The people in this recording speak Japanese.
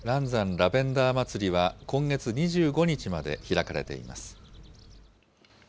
ラベンダーまつりは、今月２５日まで開かれています。